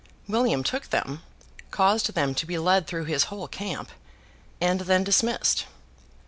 William took them, caused them to be led through his whole camp, and then dismissed.